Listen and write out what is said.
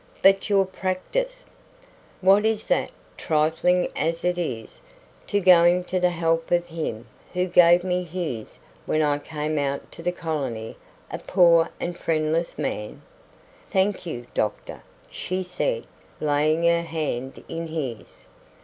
"But your practice?" "What is that, trifling as it is, to going to the help of him who gave me his when I came out to the colony a poor and friendless man?" "Thank you, doctor," she said, laying her hand in his.